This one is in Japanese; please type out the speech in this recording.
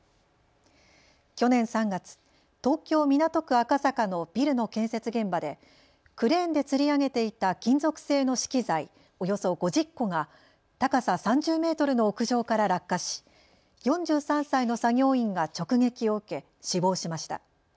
去年３月、東京港区赤坂のビルの建設現場でクレーンでつり上げていた金属製の資機材およそ５０個が高さ３０メートルの屋上から落下し、４３歳の作業員が直撃を受け死亡しました。